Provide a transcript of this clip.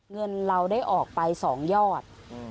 เงินเราได้ออกไป๒ยอด